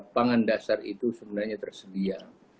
pangan dasar itu sebenarnya tersedia